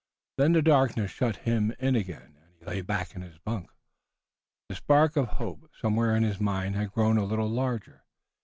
Then the darkness shut him in again, and he lay back in his bunk. The spark of hope somewhere in his mind had grown a little larger.